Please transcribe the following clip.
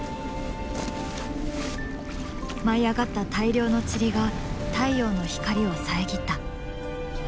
舞い上がった大量のチリが太陽の光を遮った。